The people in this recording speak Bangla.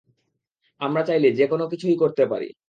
আমরা চাইলে যে কোনও কিছুই করতে পারি!